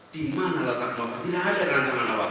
di mana datang motor tidak ada rancangan awal